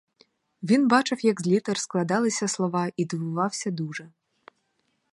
Він бачив, як з літер складалися слова, і дивувався дуже.